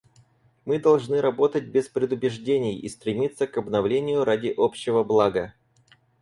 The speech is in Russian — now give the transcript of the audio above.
Мы должны работать без предубеждений и стремиться к обновлению ради общего блага.